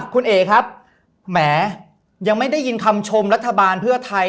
คุณเอคับแหม้ยังไม่ได้ยินคำชมประเทศรัฐบาลเมียเพื่อไทย